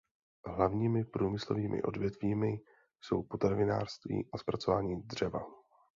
Hlavními průmyslovými odvětvími jsou potravinářství a zpracování dřeva.